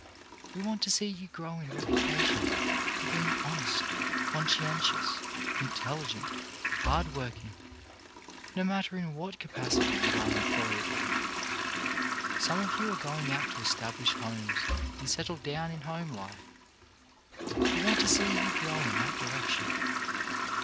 We want to see you grow in reputation for being honest, conscientious, in telligent, hard working ; no matter in what capac ity you are employed. 282 CHARACTER BUILDING Some of you are going out to establish homes and settle down in home life. We want to see you grow in that direction.